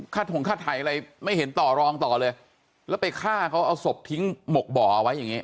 ถงค่าไถ่อะไรไม่เห็นต่อรองต่อเลยแล้วไปฆ่าเขาเอาศพทิ้งหมกบ่อเอาไว้อย่างนี้